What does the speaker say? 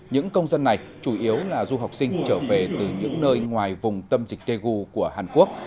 những công dân này chủ yếu là du học sinh trở về từ những nơi ngoài vùng tâm dịch tegu của hàn quốc